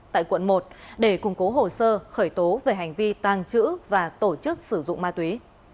tại quận một để củng cố hồ sơ khởi tố về hành vi tàng trữ và tổ chức sử dụng ma túy